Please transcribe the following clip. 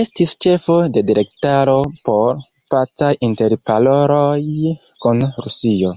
Estis ĉefo de delegitaro por pacaj interparoloj kun Rusio.